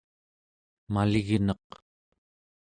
maligneq